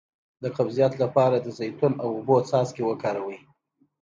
د قبضیت لپاره د زیتون او اوبو څاڅکي وکاروئ